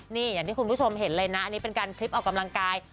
นี่อย่างที่คุณผู้ชมเห็นเลยนะอันนี้เป็นการคลิปออกกำลังกาย